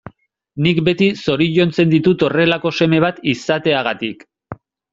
Nik beti zoriontzen ditut horrelako seme bat izateagatik.